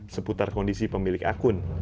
seputar kondisi pemilik akun